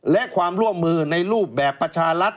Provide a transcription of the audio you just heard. และความร่วมมือในรูปแบบประชารัฐ